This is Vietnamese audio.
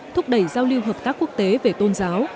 thúc đẩy giao lưu hợp tác quốc tế về tôn giáo